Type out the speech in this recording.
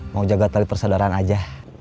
mau jaga tali persaudaraan aja